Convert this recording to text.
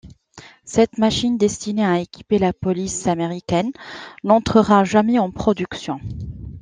Cette machine destinée à équiper la police américaine n’entrera jamais en production.